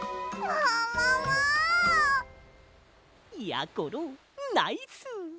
やころナイス！